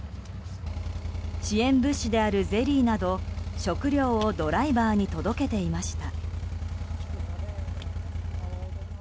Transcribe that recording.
支援物資であるゼリーなど食料をドライバーに届けていました。